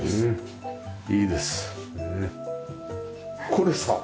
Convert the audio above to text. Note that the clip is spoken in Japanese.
これさ